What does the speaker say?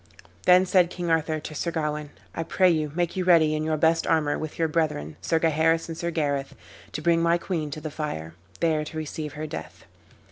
Then said King Arthur to Sir Gawain, "I pray you make you ready, in your best armor, with your brethren, Sir Gaheris and Sir Gareth, to bring my queen to the fire, there to receive her death."